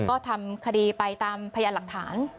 ก็ทำคดีไปตามพยานหลักฐาน